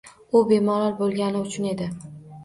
U bemalol bo’lgani uchun edi.